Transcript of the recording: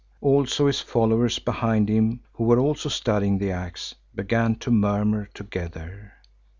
Also his followers behind him who were also studying the axe, began to murmur together.